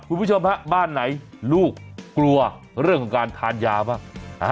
คุณผู้ชมฮะบ้านไหนลูกกลัวเรื่องของการทานยาบ้าง